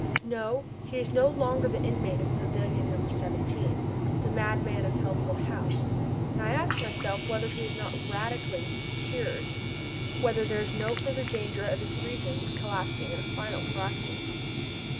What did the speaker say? No, he is no longer the inmate of Pavilion No. 17, the madman of Healthful House, and I ask myself whether he is not radically cured, whether there is no further danger of his reason collapsing in a final paroxysm.